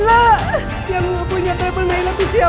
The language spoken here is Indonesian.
aku nggak mau dengan naila om nek